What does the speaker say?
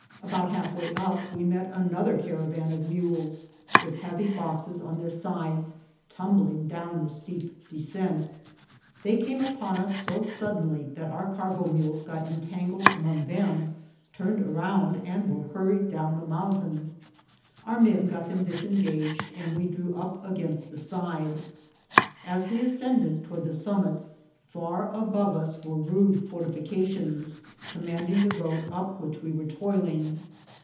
About half way up we met another caravan of mules, with heavy boxes on their sides, tumbling down the steep descent. They came upon us so suddenly that our cargo mules got entangled among them, turned around, and were hurried down the mountain. Our men got them disengaged, and we drew up against the side. As we ascended, to ward the summit, far above us, were rude fortifica tions, commanding the road up which we were toiling.